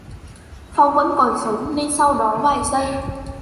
Phong vẫn còn sống nên sau đó vài giây